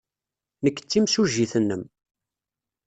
Nekk d timsujjit-nnem.